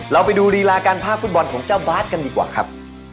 เราไปดูรีลาการภาคฟุตบอลของเจ้าบาทกันดีกว่าครับ